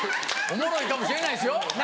おもろいかもしれないですよ。